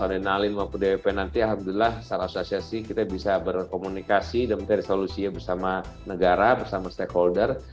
arenalin maupun dwp nanti alhamdulillah secara asosiasi kita bisa berkomunikasi dan mencari solusinya bersama negara bersama stakeholder